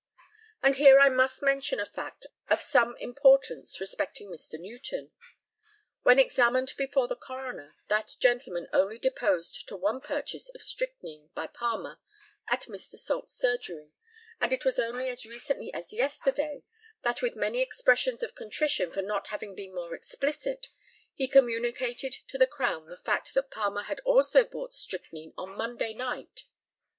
And here I must mention a fact of some importance respecting Mr. Newton. When examined before the coroner, that gentleman only deposed to one purchase of strychnine by Palmer at Mr. Salt's surgery, and it was only as recently as yesterday that with many expressions of contrition for not having been more explicit, he communicated to the Crown the fact that Palmer had also bought strychnine on Monday night.